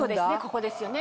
ここですよね